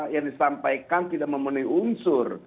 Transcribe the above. yang disampaikan tidak memenuhi unsur